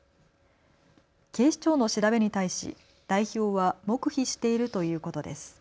警視庁の調べに対し代表は黙秘しているということです。